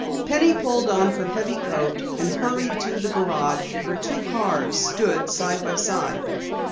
Penny pulled on her heavy coat and hurried to the garage where two cars stood side by side.